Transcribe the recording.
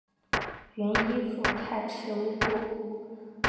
原依附泰赤乌部。